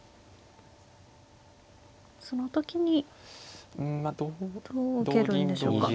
その時にどう受けるんでしょうか。